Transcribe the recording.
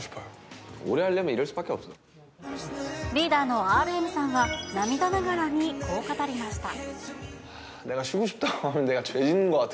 リーダーのＲＭさんは涙ながらにこう語りました。